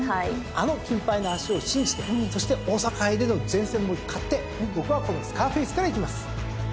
あの金杯の脚を信じてそして大阪杯での善戦も買って僕はこのスカーフェイスからいきます。